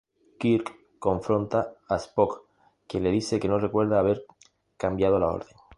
Kirk confronta a Spock, quien le dice que no recuerda haber cambiado la orden.